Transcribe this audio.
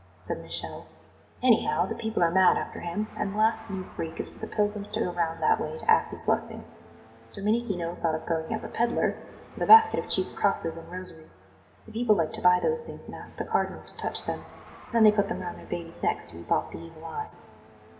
said Michele. "Anyhow, the people are mad after him, and the last new freak is for the pilgrims to go round that way to ask his blessing. Domenichino thought of going as a pedlar, with a basket of cheap crosses and rosaries. The people like to buy those things and ask the Cardinal to touch them; then they put them round their babies' necks to keep off the evil eye."